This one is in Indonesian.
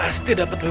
astaga ide lu diding